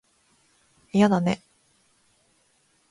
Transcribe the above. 嫌だね